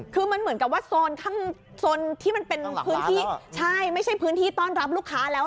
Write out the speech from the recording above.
คือมันเหมือนกับว่าโซนที่มันเป็นต้นรับลูกค้าแล้ว